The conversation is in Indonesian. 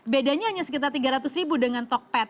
bedanya hanya sekitar tiga ratus ribu dengan tokped